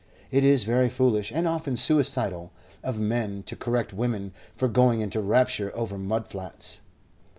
It is very foolish, and often suicidal, of men to correct women for going into rapture over mud flats.